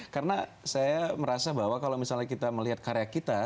karena saya merasa bahwa kalau misalnya kita melihat karya kita